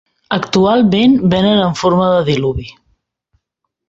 Actualment venen en forma de diluvi.